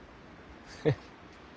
フッ。